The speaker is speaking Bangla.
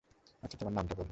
আচ্ছা, তোমার নামটা বলো।